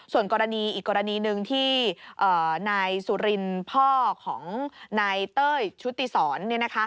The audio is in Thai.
ส่วนกรณีอีกกรณีหนึ่งที่นายสุรินพ่อของนายเต้ยชุติศร